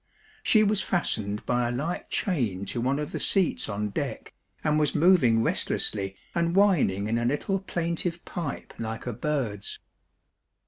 She was fastened by a light chain to one of the seats on deck, and was moving restlessly and whining in a little plaintive pipe like a bird's.